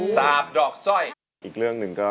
สาบดอกสร้อย